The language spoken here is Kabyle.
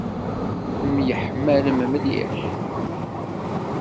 Temyiḥmalem mliḥ?